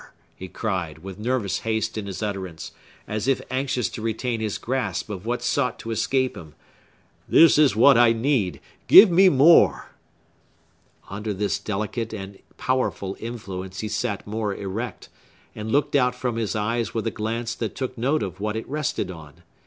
he cried, with nervous haste in his utterance, as if anxious to retain his grasp of what sought to escape him. "This is what I need! Give me more!" Under this delicate and powerful influence he sat more erect, and looked out from his eyes with a glance that took note of what it rested on.